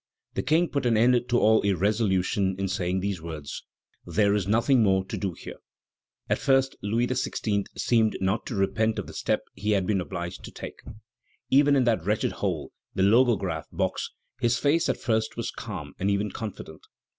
The King put an end to all irresolution in saying these words: 'There is nothing more to do here.'" At first, Louis XVI. seemed not to repent of the step he had been obliged to take. Even in that wretched hole, the Logograph box, his face at first was calm and even confident.